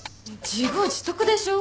自業自得でしょ。